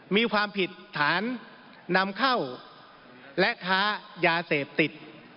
มีความผิดฐานนำเข้าและค้ายาเสพติด